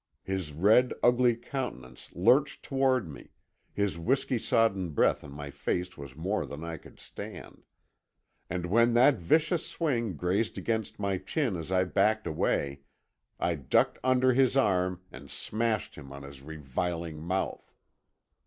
His red, ugly countenance lurching toward me, his whisky sodden breath in my face was more than I could stand; and when that vicious swing grazed my chin as I backed away, I ducked under his arm and smashed him on his reviling mouth.